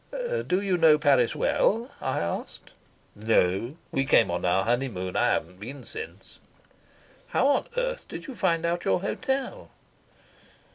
"Do you know Paris well?" I asked. "No. We came on our honeymoon. I haven't been since." "How on earth did you find out your hotel?"